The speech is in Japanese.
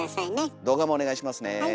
動画もお願いしますね。